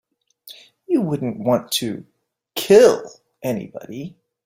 You wouldn't want to kill anybody.